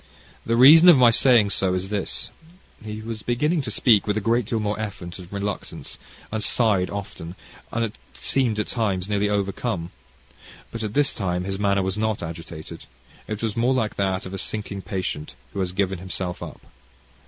The reason of my saying so is this " He was beginning to speak with a great deal more effort and reluctance, and sighed often, and seemed at times nearly overcome. But at this time his manner was not agitated. It was more like that of a sinking patient, who has given himself up.